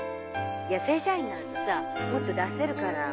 いや正社員になるとさもっと出せるから。